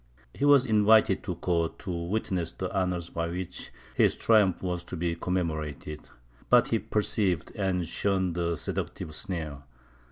He was invited to court, to witness the honours by which his triumph was to be commemorated; but he perceived and shunned the seductive snare.